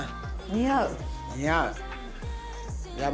似合う。